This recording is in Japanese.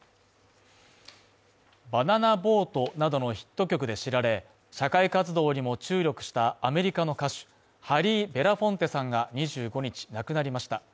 「バナナ・ボート」などのヒット曲で知られ、社会活動にも注力したアメリカの歌手ハリー・ベラフォンテさんが２５日、亡くなりました。